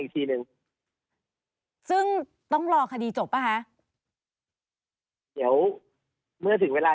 อีกทีหนึ่งซึ่งต้องรอคดีจบป่ะคะเดี๋ยวเมื่อถึงเวลา